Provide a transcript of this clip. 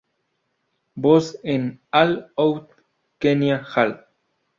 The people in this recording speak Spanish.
Voz en ‘All Out’: Kenya Hall.